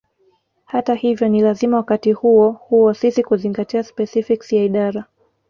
Hata hivyo ni lazima wakati huo huo sisi kuzingatia specifics ya idara